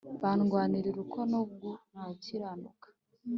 Barwanirira ukuri no gukiranuka.